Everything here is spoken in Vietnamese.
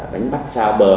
đánh bắt sao bờ